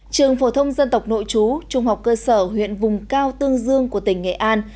trường phổ thông dân tộc nội chú trung học cơ sở huyện vùng cao tương dương của tỉnh nghệ an